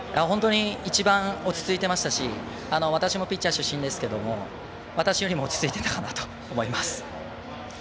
本当に一番落ち着いていましたし私もピッチャー出身ですが私よりも落ち着いていたかなと思います。